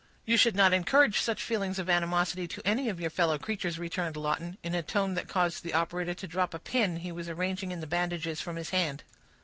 "You should not encourage such feelings of animosity to any of your fellow creatures," returned Lawton, in a tone that caused the operator to drop a pin he was arranging in the bandages from his hand.